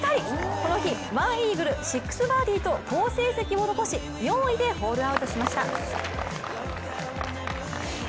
この日、１イーグル・６バーディーと好成績を残し４位でホールアウトしました。